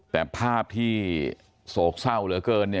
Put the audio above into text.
แต่ภาพที่โศกเศร้าเหลือเกิน